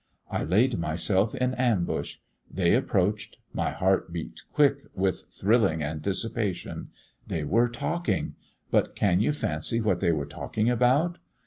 I laid myself in ambush; they approached; my heart beat quick with thrilling anticipation; they were talking but can you fancy what they were talking about?